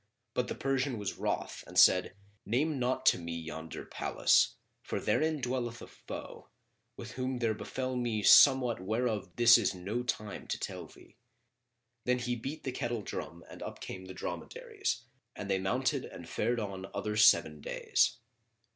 But the Persian was wroth and said, "Name not to me yonder palace; for therein dwelleth a foe, with whom there befel me somewhat whereof this is no time to tell thee." Then he beat the kettle drum and up came the dromedaries, and they mounted and fared on other seven days.